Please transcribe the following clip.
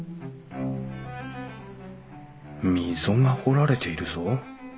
溝が彫られているぞ。